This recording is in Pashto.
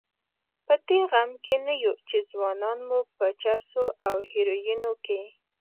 په دې غم کې نه یو چې ځوانان مو په چرسو او هیرویینو کې.